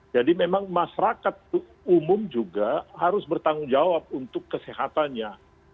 jadi memang masyarakat umum juga harus bertanggung jawab untuk kesehatannya